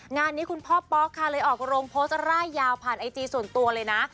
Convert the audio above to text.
งานนี้คุณพ่อป๊อกค่ะเลยออกโรงโพสต์ร่ายยาวผ่านไอจีส่วนตัวเลยนะ